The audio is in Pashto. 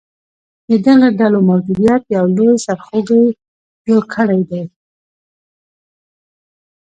د دغه ډلو موجودیت یو لوی سرخوږې جوړ کړیدی